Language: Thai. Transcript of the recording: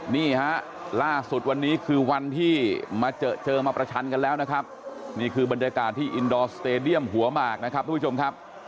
นี่ฮะล่าสุดวันนี้คือวันที่มาเจอเจอมาประชันกันแล้วนะครับนี่คือบรรยากาศที่อินดอร์สเตดียมหัวหมากนะครับทุกผู้ชมครับ